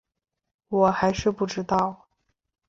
我还是不知道